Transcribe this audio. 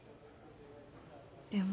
でも。